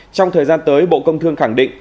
trong thời gian tới bộ công thương khẳng định